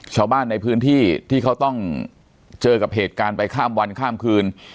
ชาวบ้านในพื้นที่ที่เขาต้องเจอกับเหตุการณ์ไปข้ามวันข้ามคืน